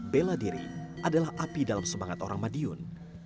bela diri adalah api dalam semangat orang madiun